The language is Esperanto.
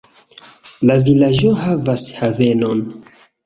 La vilaĝo havas havenon.